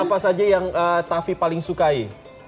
apa saja yang tavi paling sukai